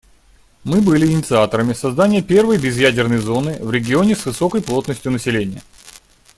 Мы были инициаторами создания первой безъядерной зоны в регионе с высокой плотностью населения.